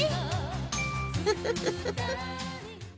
フフフフ。